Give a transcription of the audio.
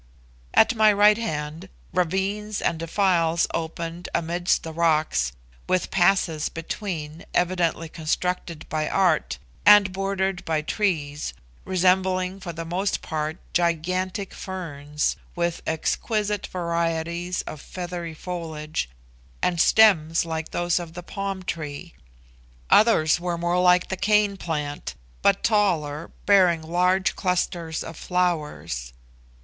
At my right hand, ravines and defiles opened amidst the rocks, with passes between, evidently constructed by art, and bordered by trees resembling, for the most part, gigantic ferns, with exquisite varieties of feathery foliage, and stems like those of the palm tree. Others were more like the cane plant, but taller, bearing large clusters of flowers.